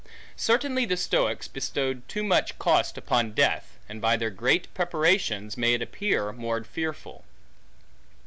Certainly the Stoics bestowed too much cost upon death, and by their great preparations, made it appear more fearful.